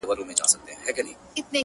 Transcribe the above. پر موږ راغلې توره بلا ده!!